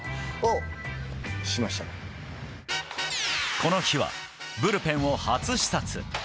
この日はブルペンを初視察。